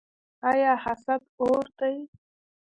آیا حسد اور دی؟